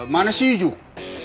mana si ijuk